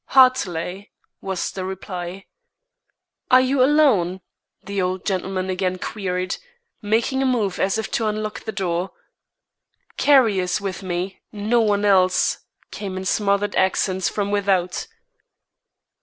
"Hartley," was the reply. "Are you alone?" the old gentleman again queried, making a move as if to unlock the door. "Carrie is with me; no one else," came in smothered accents from without.